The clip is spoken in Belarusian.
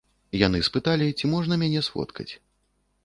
Яны спыталі, ці можна мяне сфоткаць.